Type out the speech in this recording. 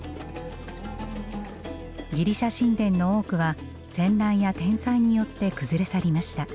ギリシャ神殿の多くは戦乱や天災によって崩れ去りました。